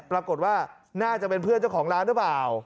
ปรากฏว่าน่าจะเป็นเพื่อนเจ้าของร้านหรือเปล่า